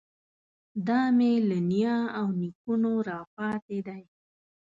دا مې له نیا او نیکونو راپاتې دی.